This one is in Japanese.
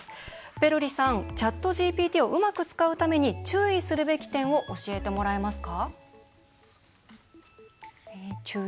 ペロリさん、ＣｈａｔＧＰＴをうまく使うために注意すべき点を教えてもらえますか？